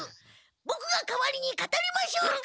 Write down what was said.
ボクが代わりに語りましょうか？